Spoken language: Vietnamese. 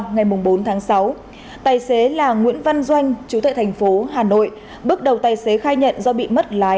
ngày bốn tháng sáu tài xế là nguyễn văn doanh chú tệ thành phố hà nội bước đầu tài xế khai nhận do bị mất lái